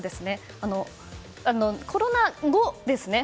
コロナ後ですね。